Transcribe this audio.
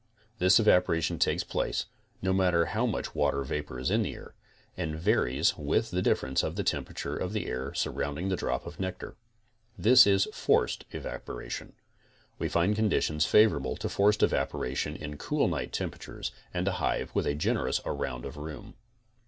This evaporation takes place, no matter how much water vapor is in the air, and varies with the difference of the temperature of the air surrounding the drop of nectar. This is forced evaporation. We find conditions fa vorable to forced evaporation in cool night temperatures and a hive with a generous around of room.